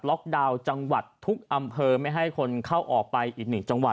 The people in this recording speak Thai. ดาวน์จังหวัดทุกอำเภอไม่ให้คนเข้าออกไปอีกหนึ่งจังหวัด